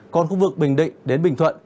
còn khu vực bình định đến bình thuận